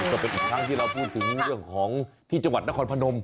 ก็เป็นอีกครั้งที่เราพูดถึงเรื่องของที่จังหวัดนครพนม